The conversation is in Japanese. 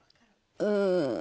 うん。